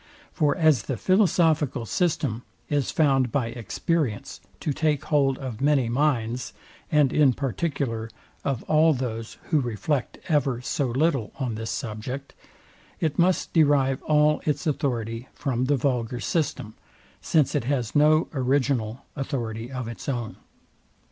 For as the philosophical system is found by experience to take hold of many minds, and in particular of all those, who reflect ever so little on this subject, it must derive all its authority from the vulgar system; since it has no original authority of its own.